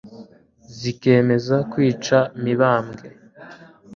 zikemeza kwica mibambwe